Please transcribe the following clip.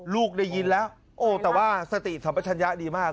ลูกได้ยินแล้วโอ้แต่ว่าสติสัมปชัญญะดีมาก